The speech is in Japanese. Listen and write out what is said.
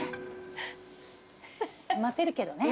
待てるけどね。